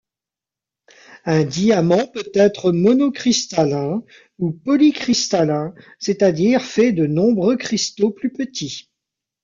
Un diamant peut être monocristallin, ou polycristallin, c'est-à-dire fait de nombreux cristaux plus petits.